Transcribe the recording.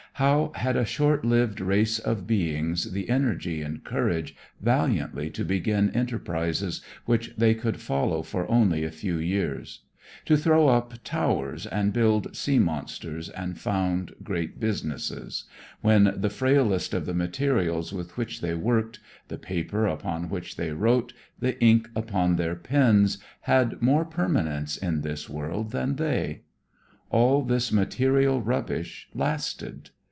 How had a short lived race of beings the energy and courage valiantly to begin enterprises which they could follow for only a few years; to throw up towers and build sea monsters and found great businesses, when the frailest of the materials with which they worked, the paper upon which they wrote, the ink upon their pens, had more permanence in this world than they? All this material rubbish lasted.